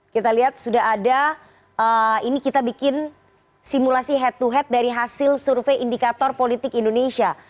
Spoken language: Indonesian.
kita lihat sudah ada ini kita bikin simulasi head to head dari hasil survei indikator politik indonesia